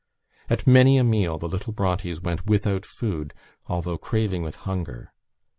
At many a meal the little Brontes went without food, although craving with hunger.